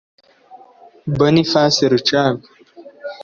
Boniface Rucagu